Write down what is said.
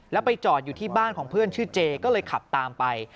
แล้วไปจอดอยู่ที่บ้านของเพื่อนชื่อเจก็เลยขับตามไป